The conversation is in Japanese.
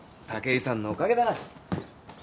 武居さんのおかげだな。